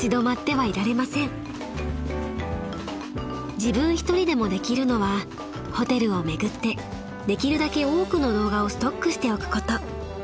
［自分一人でもできるのはホテルを巡ってできるだけ多くの動画をストックしておくこと］